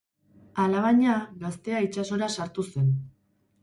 Alabaina, gaztea itsasora sartu zen.